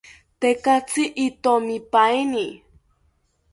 Tekatzi itomipaeni